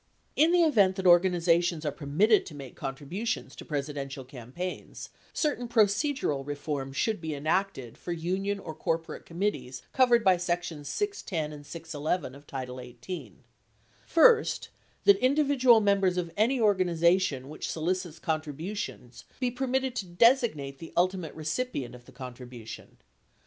In the event that organizations are permitted to make contributions to Presidential campaigns, certain procedural reforms should be en acted for union or corporate committees covered by sections 610 and 611 of title 18: First, that individual members of any organization which solicits contributions be permitted to designate the ultimate recipient of the contribution.